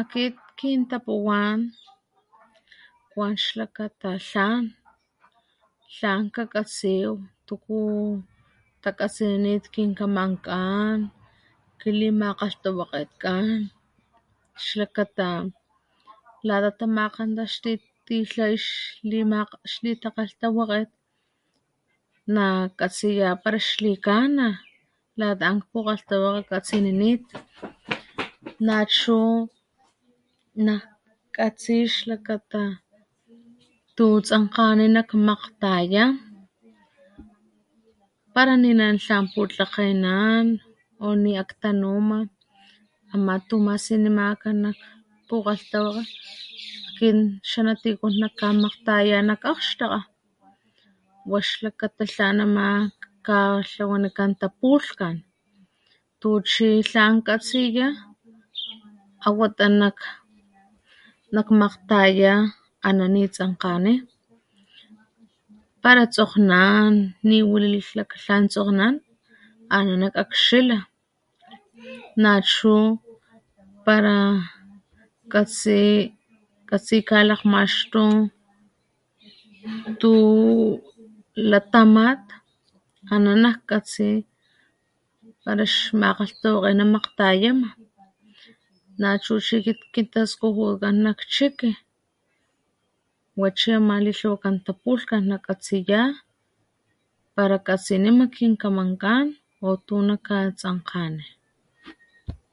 Akit kintapuwan kwan xlakata tlan tlan kakatsiw tuku takatsininit kinkamankan, kilimakgalhtawakgetkan xlakata lata tamakgantaxtilha xlitakgalhtawakge nakatsiya pala xlikana lata an nak pukgalhtawakga katsininit nachu najkatsi xlakata tu tsankgani nak kmakgtaya pala ni nan tlan putlakgenan o ni aktanuma ama tu masinimaka nak pukgalhtawakga kin xanatikun nakamakgtaya nak akgxtakga wa xlakata tlan nama katlawanikan tapulhkan tu chi tlan katsiya awata nak nak makgtaya ana ni tsankgani pala tsokgnan ni wili lakatlan tsokgnan ana nakakxila nachu pala katsi katsi kalakgmaxtu tu latamat ana najkatsi pala xmakgalhtawakgena makgtayama nachu chi kin taskujutkan nak chiki wa chi ama litlawakan tapulhkan nakatsiya pala katsinima kin kamankan o tu nakatsankgani